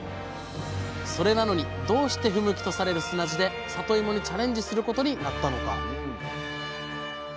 それなのにどうして不向きとされる砂地でさといもにチャレンジすることになったのか？